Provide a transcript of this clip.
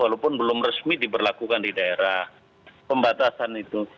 walaupun belum resmi diberlakukan di daerah pembatasan itu